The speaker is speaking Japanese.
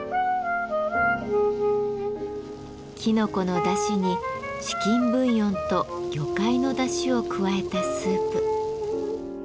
きのこのだしにチキンブイヨンと魚介のだしを加えたスープ。